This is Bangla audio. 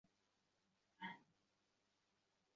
আমার মতো পাঁচটা অর্ধাঙ্গ জুড়িলেও তাহার আয়তনে কুলায় না।